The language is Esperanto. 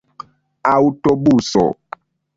aŭtobuso